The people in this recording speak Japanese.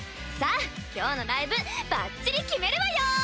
さあ今日のライブばっちり決めるわよ！